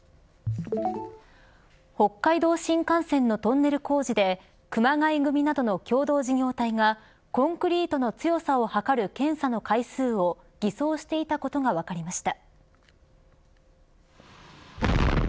北海道新幹線のトンネル工事で熊谷組などの共同事業体がコンクリートの強さを計る検査の回数を偽装していたことが分かりました。